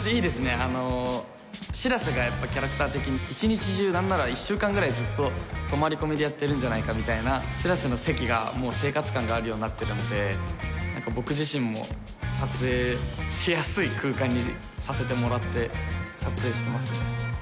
あの白瀬がやっぱキャラクター的に一日中なんなら１週間ぐらいずっと泊まり込みでやってるんじゃないかみたいな白瀬の席が生活感があるようになってるので僕自身も撮影しやすい空間にさせてもらって撮影してますね